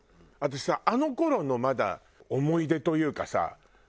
私さあの頃のまだ思い出というかさ。